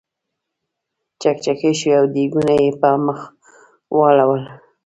چکچکې شوې او دیګونه یې په بل مخ واړول.